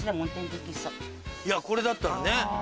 いやこれだったらね。